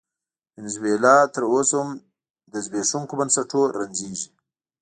وینزویلا تر اوسه هم له زبېښونکو بنسټونو رنځېږي.